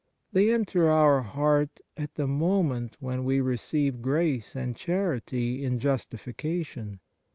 They enter our heart at the moment when we receive grace and charity in justification.